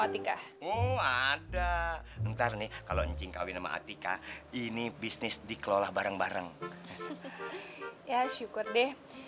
atika ada ntar nih kalau encing kawin sama atika ini bisnis dikelola bareng bareng ya syukur deh